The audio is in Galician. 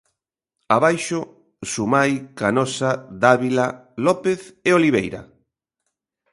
Abaixo, Sumai, Canosa, Dávila, López e Oliveira.